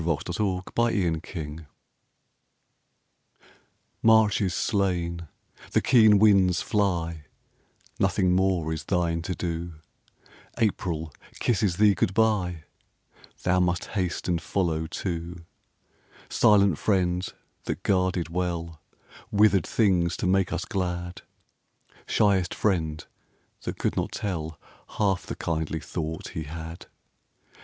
GOD SPEED TO THE SNOW March is slain; the keen winds fly; Nothing more is thine to do; April kisses thee good bye; Thou must haste and follow too; Silent friend that guarded well Withered things to make us glad, Shyest friend that could not tell Half the kindly thought he had.